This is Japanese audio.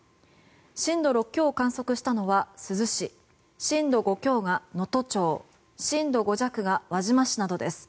震度６強を観測したのは珠洲市震度５強が能登町震度５弱が輪島市などです。